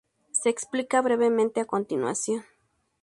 Se explica brevemente a continuación.